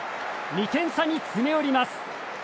２点差に詰め寄ります。